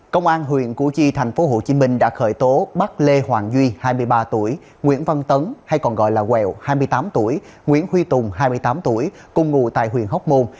công an huyện củ chi tp hcm đã khởi tố bắt lê hoàng duy hai mươi ba tuổi nguyễn văn tấn hay còn gọi là quẹo hai mươi tám tuổi nguyễn huy tùng hai mươi tám tuổi cùng ngụ tại huyện hóc môn